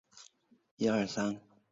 店员建议我们点味噌汤